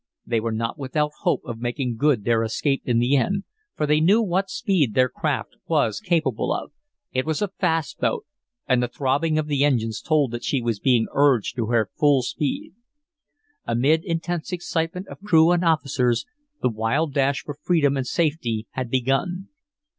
They were not without hope of making good their escape in the end, for they knew what speed their craft was capable of. It was a fast boat, and the throbbing of the engines told that she was being urged to her full speed. Amid intense excitement of crew and officers, the wild dash for freedom and safety had begun.